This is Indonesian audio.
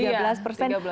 iya tiga belas persen